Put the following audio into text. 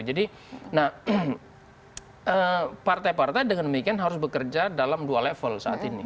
jadi partai partai dengan demikian harus bekerja dalam dua level saat ini